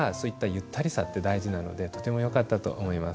ゆったりさって大事なのでとてもよかったと思います。